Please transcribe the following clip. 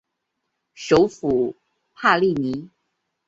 首府帕利尼。